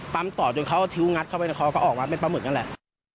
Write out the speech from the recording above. ปั๊มต่อจนเขาติ๊วงัสเข้ามาเขาก็ออกมาเป็นปลาหมึกนั่นแหละ